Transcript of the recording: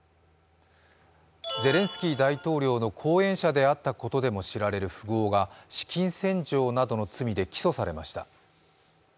ゼレンスキー大統領の後援者であったことでも知られる富豪が資金洗浄などの罪で起訴されました。